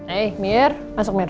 eh mir masuk mir